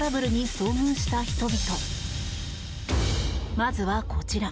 まずはこちら。